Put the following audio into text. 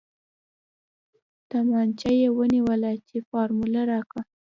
تمانچه يې ونيوله چې فارموله راکه.